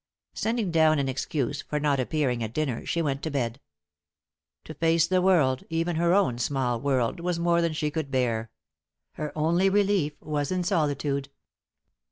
Sending down an excuse for not appearing at dinner, she went to bed. To face the world, even her own small world, was more than she could bear. Her only relief was in solitude.